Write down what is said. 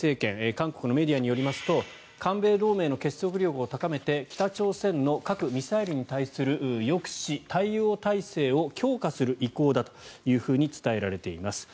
韓国のメディアによりますと韓米同盟の結束力を高めて北朝鮮の核・ミサイルに対する抑止、対応体制を強化する意向だというふうに伝えられています。